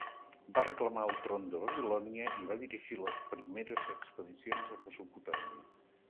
Va reclamar el tron de Babilònia i va dirigir les primeres expedicions a Mesopotàmia.